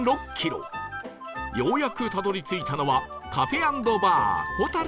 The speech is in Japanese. ようやくたどり着いたのは